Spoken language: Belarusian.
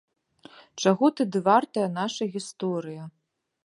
Чаго тады вартая наша гісторыя?